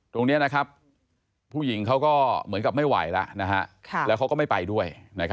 ตรงนี้นะครับผู้หญิงเขาก็เหมือนกับไม่ไหวแล้วแล้วเขาก็ไม่ไปด้วย